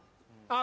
あ